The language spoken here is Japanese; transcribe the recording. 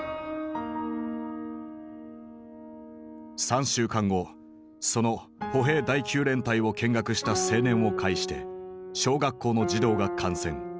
３週間後その歩兵第９連隊を見学した青年を介して小学校の児童が感染。